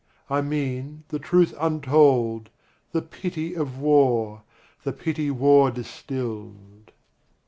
I mean the truth untold, The pity of war, the pity war distilled.